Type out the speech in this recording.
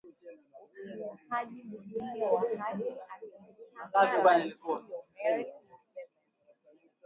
ukiukwaji mwingine wa haki akimtaka Raisi Yoweri Museveni